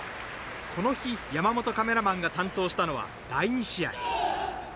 この日、山本カメラマンが担当したのは、第２試合。